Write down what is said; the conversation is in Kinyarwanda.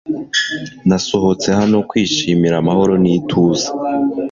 Nasohotse hano kwishimira amahoro n'ituze